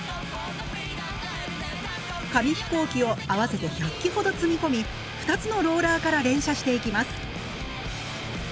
紙飛行機を合わせて１００機ほど積み込み２つのローラーから連射していきます。